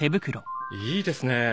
いいですね。